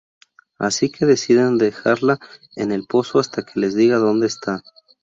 Así que deciden dejarla en el pozo hasta que les diga donde esta.